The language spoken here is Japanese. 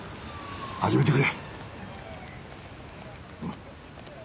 始めてくれ。